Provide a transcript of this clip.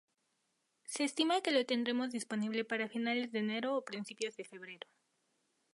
Se estima que lo tendremos disponible para finales de enero o principios de febrero.